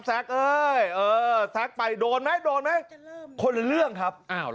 เอ้ยเออแซ็กไปโดนไหมโดนไหมคนละเรื่องครับ